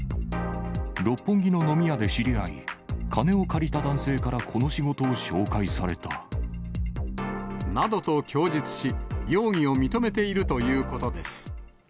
六本木の飲み屋で知り合い、金を借りた男性からこの仕事を紹などと供述し、容疑を認めているということです。